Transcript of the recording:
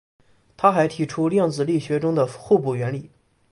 他还提出量子力学中的互补原理。